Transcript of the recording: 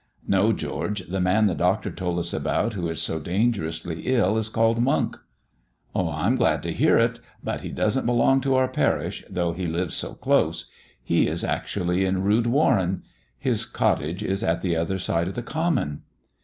"No, George, the man the doctor told us about who is so dangerously ill is called Monk." "I am glad to hear it; but he doesn't belong to our parish, though he lives so close. He is actually in Rood Warren. His cottage is at the other side of the Common."